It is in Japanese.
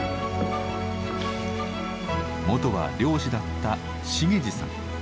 もとは漁師だった茂司さん。